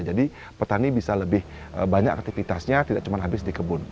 jadi petani bisa lebih banyak aktivitasnya tidak cuma habis di kebun